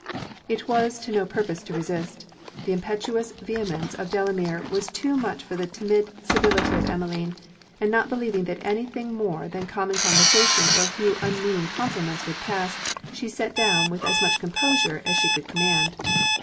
It was to no purpose to resist. The impetuous vehemence of Delamere was too much for the timid civility of Emmeline; and not believing that any thing more than common conversation or a few unmeaning compliments would pass, she sat down with as much composure as she could command.